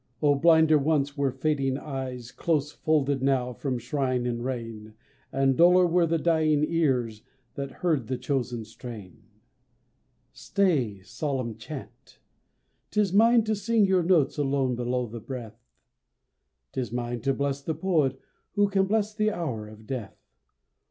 Oh, blinder once were fading eyes, Close folded now from shine and rain, And duller were the dying ears That heard the chosen strain. Stay, solemn chant! 'T is mine to sing Your notes alone below the breath. 'T is mine to bless the poet who Can bless the hour of death.